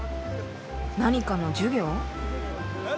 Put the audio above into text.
何かの授業？